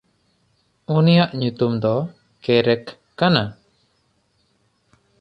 ᱩᱱᱤᱭᱟᱜ ᱧᱩᱛᱩᱢ ᱫᱚ ᱠᱮᱨᱮᱠ ᱠᱟᱱᱟ᱾